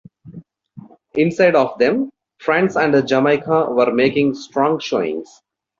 Inside of them, France and Jamaica were making strong showings.